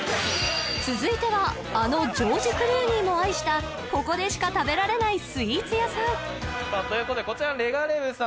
続いてはあのジョージ・クルーニーも愛したここでしか食べられないスイーツ屋さんということでこちらのレガレヴさん